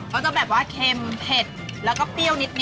จะแบบว่าเค็มเผ็ดแล้วก็เปรี้ยวนิดนึ